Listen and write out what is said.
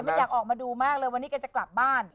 ไม่อยากออกมาดูมากเลยวันนี้แกจะกลับบ้าน